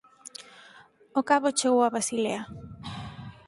Ó cabo chegou a Basilea.